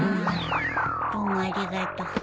どうもありがとう。